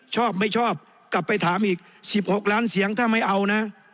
ชอบไม่ชอบกลับไปถามอีก๑๖ล้านเสียงถ้าไม่เอานะ